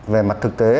về mặt thực tế